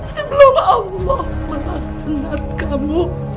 sebelum allah melangganat kamu